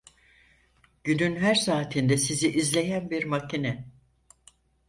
Günün her saatinde sizi izleyen bir makine.